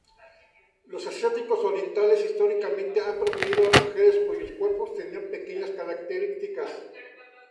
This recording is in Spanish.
Los asiáticos orientales históricamente han preferido a mujeres cuyos cuerpos tenían pequeñas características.